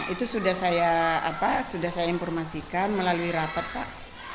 itu sudah saya informasikan melalui rapat pak